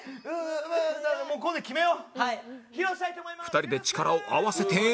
２人で力を合わせて